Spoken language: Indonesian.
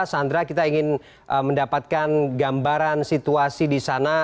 sandra kita ingin mendapatkan gambaran situasi di sana